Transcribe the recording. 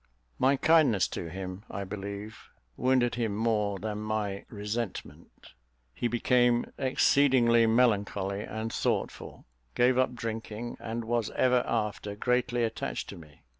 My kindness to him, I believe, wounded him more than my resentment; he became exceedingly melancholy and thoughtful, gave up drinking, and was ever after greatly attached to me.